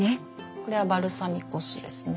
これはバルサミコ酢ですね。